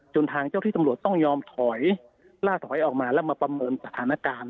ทางเจ้าที่ตำรวจต้องยอมถอยล่าถอยออกมาแล้วมาประเมินสถานการณ์